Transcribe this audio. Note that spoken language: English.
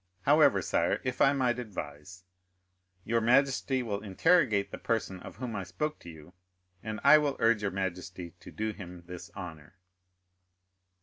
However, sire, if I might advise, your majesty will interrogate the person of whom I spoke to you, and I will urge your majesty to do him this honor."